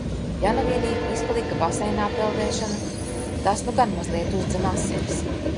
Ja nu vienīgi izpalika baseinā peldēšana, tas nu gan mazliet uzdzen asinis.